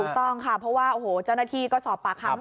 ถูกต้องค่ะเพราะว่าโอ้โหเจ้าหน้าที่ก็สอบปากคำ